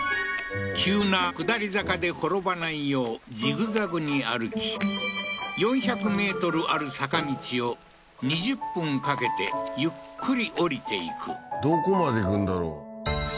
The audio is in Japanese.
急な下り坂で転ばないようジグザグに歩き４００ｍある坂道を２０分掛けてゆっくり下りていくどこまで行くんだろう？